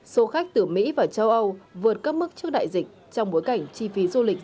số khách từ mỹ và châu âu vượt cấp mức trước đại dịch trong bối cảnh chi phí du lịch